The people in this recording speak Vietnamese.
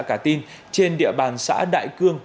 cả tin trên địa bàn xã đại cương